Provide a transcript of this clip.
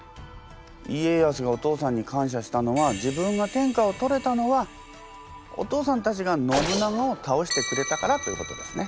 家康がお父さんに感謝したのは自分が天下を取れたのはお父さんたちが信長を倒してくれたからということですね。